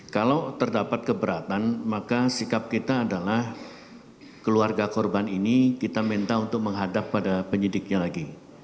kalau terdapat keberatan maka sikap kita adalah keluarga korban ini kita minta untuk menghadap pada penyidiknya lagi